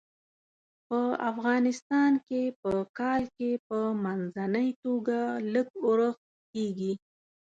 په افغانستان کې په کال کې په منځنۍ توګه لږ ورښت کیږي.